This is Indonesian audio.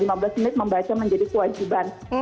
lima belas menit membaca menjadi kewajiban